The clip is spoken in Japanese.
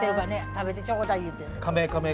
食べてちょうだい言うてる。